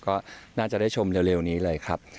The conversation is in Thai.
ก็น่าจะได้ชมเร็วนี้เลยครับ